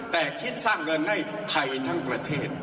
แต่คิดสร้างเงินให้ไทยทั้งประเทศ